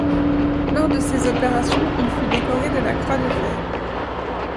Lors de ces opérations, il fut décoré de la Croix de fer.